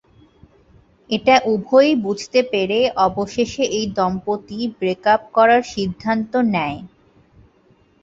এটা উভয়েই বুঝতে পেরে অবশেষে এই দম্পতি ব্রেক আপ করার সিদ্ধান্ত নেয়।